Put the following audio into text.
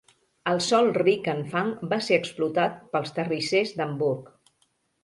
El sol ric en fang va ser explotat pels terrissers d'Hamburg.